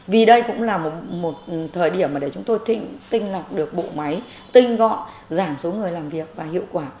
vì đây cũng là một thời điểm mà để chúng tôi tinh lọc được bộ máy tinh gọn giảm số người làm việc và hiệu quả